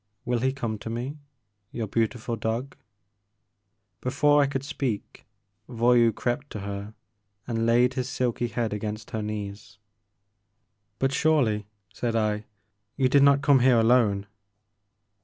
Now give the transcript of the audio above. Will he come to me, your beautiful dog ?*' Before I could speak, Voyou crept to her and laid his silky head against her knees. But surely," said I, you did not come here alone."